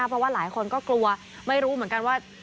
เพราะว่าหลายคนก็กลัวไม่รู้เหมือนกันว่า